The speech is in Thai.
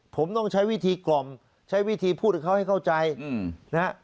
ผมต้องใช้วิธีกล่อมใช้วิธีพูดให้เขาให้เข้าใจนะฮะ